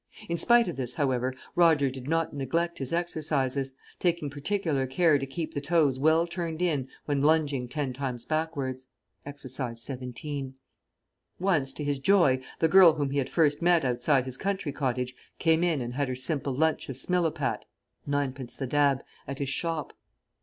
In spite of this, however, Roger did not neglect his exercises; taking particular care to keep the toes well turned in when lunging ten times backwards. (Exercise 17.) Once, to his joy, the girl whom he had first met outside his country cottage came in and had her simple lunch of Smilopat (ninepence the dab) at his shop.